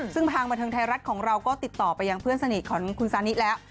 ซึ่งทางบันเทิงไทยรัฐของเราก็ติดต่อไปยังเพื่อนสนิทของคุณซานิแล้ว